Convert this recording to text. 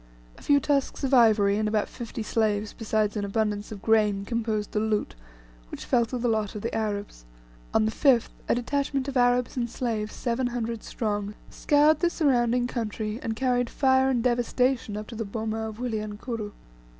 A few tusks of ivory, and about fifty slaves, besides an abundance of grain, composed the "loot," which fell to the lot of the Arabs. On the 5th, a detachment of Arabs and slaves, seven hundred strong, scoured the surrounding country, and carried fire and devastation up to the boma of Wilyankuru.